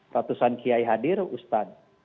ratusan kiai hadir ustadz